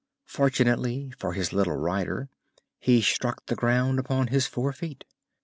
Fortunately for his little rider he struck the ground upon his four feet.